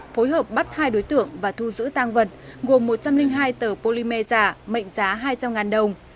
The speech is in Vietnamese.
phối hợp bắt hai đối tượng và thu giữ tăng vật gồm một trăm linh hai tờ polymer giả mệnh giá hai trăm linh đồng